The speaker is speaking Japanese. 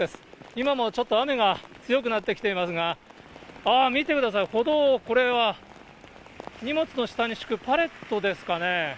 今もちょっと雨が強くなってきていますが、あー、見てください、歩道をこれは、荷物の下に敷くパレットですかね。